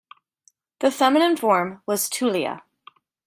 The feminine form was "Tullia".